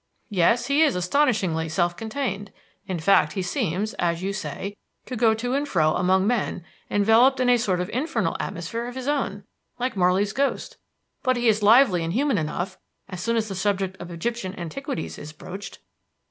"Yes; he is astonishingly self contained; in fact, he seems, as you say, to go to and fro among men, enveloped in a sort of infernal atmosphere of his own, like Marley's ghost. But he is lively and human enough as soon as the subject of Egyptian antiquities is broached."